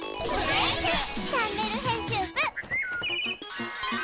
「チャンネル編集部」！